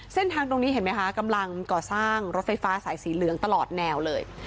เส้นทางตรงนี้เห็นไหมคะกำลังก่อสร้างรถไฟฟ้าสายสีเหลืองตลอดแนวเลย